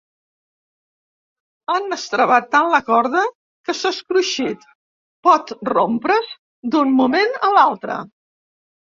Han estrebat tant la corda, que s'ha escruixit: pot rompre's d'un moment a l'altre.